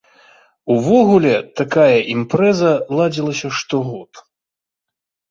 Увогуле такая імпрэза ладзілася штогод.